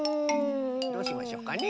どうしましょうかね？